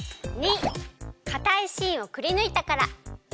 ②かたいしんをくりぬいたから。